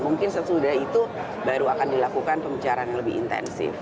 mungkin sesudah itu baru akan dilakukan pembicaraan yang lebih intensif